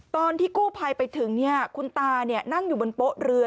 ตอนที่กู้ภัยไปถึงคุณตานั่งอยู่บนโป๊ะเรือ